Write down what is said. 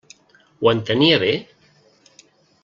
Ho entenia bé?